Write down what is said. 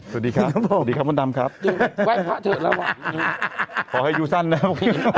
สวัสดีครับสวัสดีครับมดดำครับไหว้พระเถอะแล้วว่ะขอให้ดูสั้นนะครับ